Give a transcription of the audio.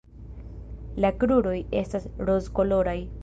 La kruroj estas rozkoloraj.